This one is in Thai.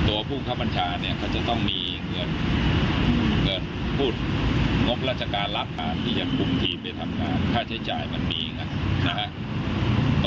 ถ้าเป็นเงินพุจริตมันไม่ให้โอนเข้าบัญชีมันหรอก